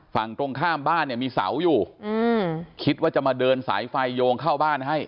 ฝั่งตรงข้ามบ้านเนี่ยมีเสาอยู่อืมคิดว่าจะมาเดินสายไฟโยงเข้าบ้านให้